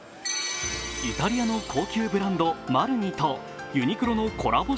イタリアの高級ブランドＭＡＲＮＩとユニクロのコラボ